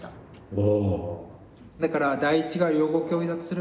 お！